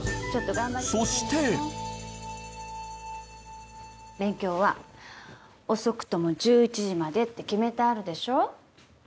そして勉強は遅くとも１１時までって決めてあるでしょ？